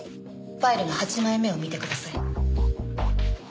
ファイルの８枚目を見てください。